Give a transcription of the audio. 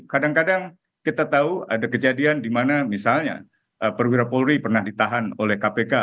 kadang kadang kita tahu ada kejadian di mana misalnya perwira polri pernah ditahan oleh kpk